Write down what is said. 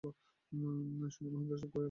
শুনিয়া মহেন্দ্র চুপ করিয়া রহিল।